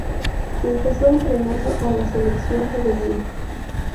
Empezó entrenando a la selección juvenil.